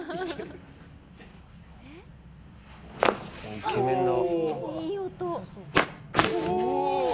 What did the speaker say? イケメンだ。